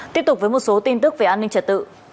tiếp tục với một số tin tức về an ninh trật tự